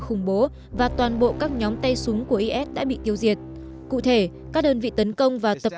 khủng bố và toàn bộ các nhóm tay súng của is đã bị tiêu diệt cụ thể các đơn vị tấn công và tập